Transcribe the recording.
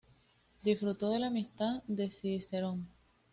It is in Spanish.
Disfrutó de la amistad de Cicerón.